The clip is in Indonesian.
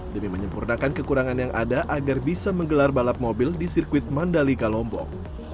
demi menyempurnakan kekurangan yang ada agar bisa menggelar balap mobil di sirkuit mandalika lombok